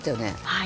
はい。